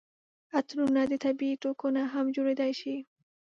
عطرونه د طبیعي توکو نه هم جوړیدای شي.